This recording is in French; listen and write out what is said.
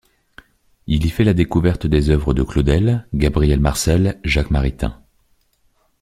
Il y fait la découverte des œuvres de Claudel, Gabriel Marcel, Jacques Maritain.